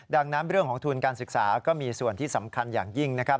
ดังนั้นเรื่องของทุนการศึกษาก็มีส่วนที่สำคัญอย่างยิ่งนะครับ